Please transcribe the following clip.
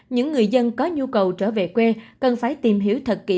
những người dân có nhu cầu trở về quê cần phải tìm hiểu thật kỹ